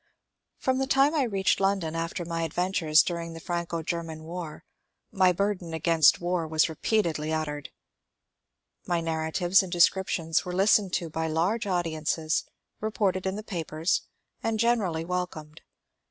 • From the time I reached London, after my adventures dur ing the Franco German war, my burden against war was re peatedly uttered. My narratives and descriptions were listened to by large audiences, reported in the papers, and generally welcomed.